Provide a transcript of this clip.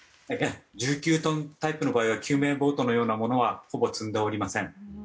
１９トンタイプの場合は救命ボートのようなものはほぼ積んでおりません。